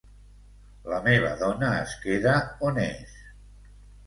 La meva dona es queda on és.